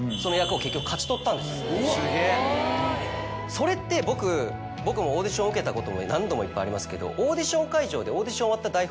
それって僕僕もオーディションを受けたこと何度もいっぱいありますけど。